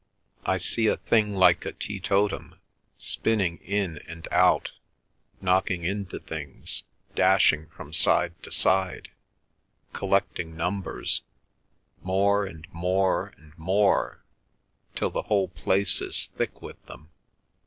"I see a thing like a teetotum spinning in and out—knocking into things—dashing from side to side—collecting numbers—more and more and more, till the whole place is thick with them.